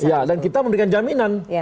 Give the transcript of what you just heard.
ya dan kita memberikan jaminan